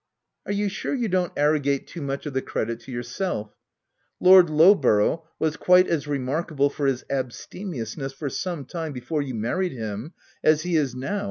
" Are you sure you don't arrogate too much of the credit to yourself? Lord Lowborough was quite as remarkable for his abstemiousness for some time before you married him, as he is now.